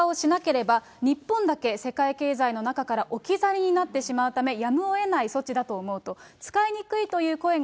緩和をしなければ、日本だけ世界経済の中から置き去りになってしまうため、やむをえない措置だと思うと。